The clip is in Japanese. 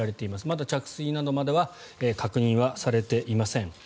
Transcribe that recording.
まだ着水などまでは確認されていません。